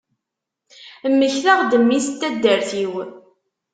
Mmektaɣ-d mmi-s n taddart-iw.